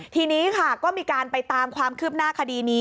ทีนี้ค่ะก็มีการไปตามความคืบหน้าคดีนี้